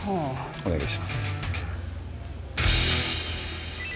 お願いします。